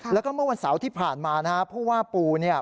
แล้วก็เมื่อวันเสาร์ที่ผ่านมานะฮะผู้ว่าปูเนี่ย